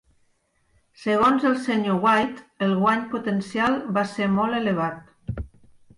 Segons el Sr. White, el guany potencial va ser molt elevat.